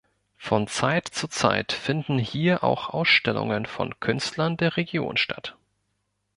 Von Zeit zu Zeit finden hier auch Ausstellungen von Künstlern der Region statt.